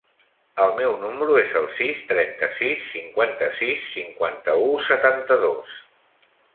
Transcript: El meu número es el sis, trenta-sis, cinquanta-sis, cinquanta-u, setanta-dos.